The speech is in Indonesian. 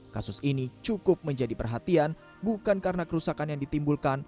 kasus ini cukup menjadi perhatian bukan karena kerusakan yang ditimbulkan